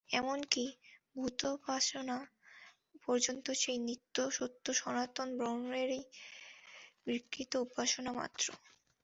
এমন কি, ভূতোপাসনা পর্যন্ত সেই নিত্য সত্য সনাতন ব্রহ্মেরই বিকৃত উপাসনা মাত্র।